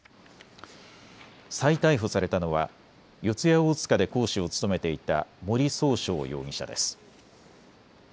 再逮捕されたのは四谷大塚で講師を務めていた森崇翔容疑者です。